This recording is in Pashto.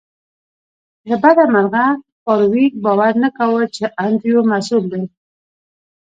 له بده مرغه فارویک باور نه کاوه چې انډریو مسؤل دی